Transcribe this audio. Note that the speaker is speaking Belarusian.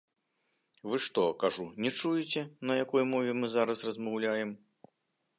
Вы што, кажу, не чуеце, на якой мове мы зараз размаўляем?